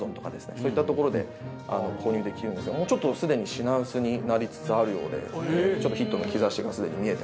そういったところで購入できるんですがもうちょっとすでに品薄になりつつあるようでちょっとヒットの兆しがすでに見えてますね。